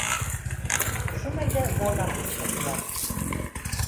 Ошо мәлдә залдан ҡысҡырҙылар: